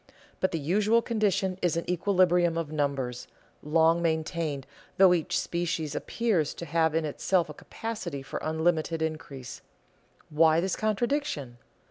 But the usual condition is an equilibrium of numbers, long maintained, though each species appears to have in itself a capacity for unlimited increase. Why this contradiction?